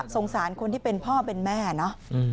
สารคนที่เป็นพ่อเป็นแม่เนาะ